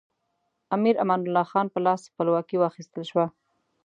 امیر امان الله خان په لاس خپلواکي واخیستل شوه.